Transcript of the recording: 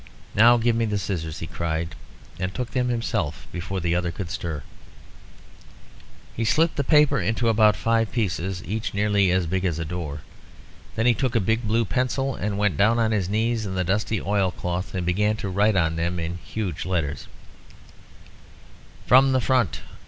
"Now give me the scissors," he cried, and took them himself before the other could stir. He slit the paper into about five pieces, each nearly as big as a door. Then he took a big blue pencil, and went down on his knees on the dusty oil cloth and began to write on them, in huge letters "FROM THE FRONT.